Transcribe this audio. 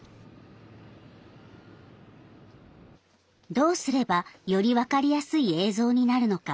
どうすれば、より分かりやすい映像になるのか。